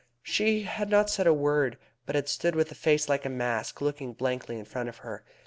She had not said a word, but had stood with a face like a mask looking blankly in front of her.